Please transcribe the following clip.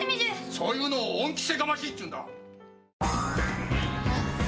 そういうのを恩着せがましいっていうんだ！